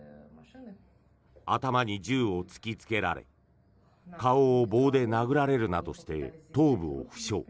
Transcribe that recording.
頭に銃を突きつけられ顔を棒で殴られるなどして頭部を負傷。